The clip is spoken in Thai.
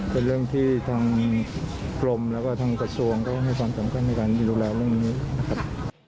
เป็นเรื่องที่ทางกรมแล้วก็ทางกระทรวงก็ให้ความสำคัญในการดูแลเรื่องนี้นะครับ